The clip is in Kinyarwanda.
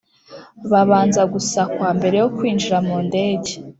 Babanza gusakwa mbere yo kwinjira mu ndege